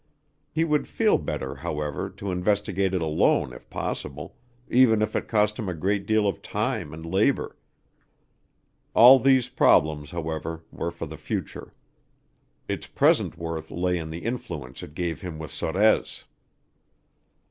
He would feel better, however, to investigate it alone if possible, even if it cost him a great deal of time and labor. All those problems, however, were for the future its present worth lay in the influence it gave him with Sorez.